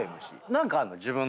何かあんの？